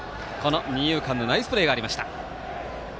二遊間のナイスプレーがありました。